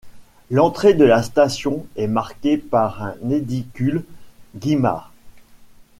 L'entrée de la station est marquée par un édicule Guimard.